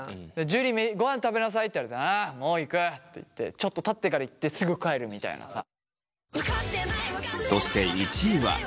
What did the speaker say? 「樹ごはん食べなさい」って言われて「ああもう行く」って言ってちょっとたってから行ってすぐ帰るみたいなさ。